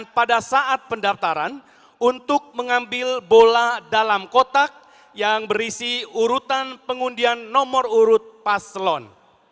pada saat pendaftaran untuk mengambil bola dalam kotak yang berisi urutan pengundian nomor urut paslon